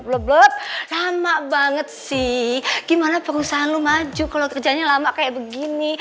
lama banget sih gimana perusahaan lu maju kalau kerjanya lama kayak begini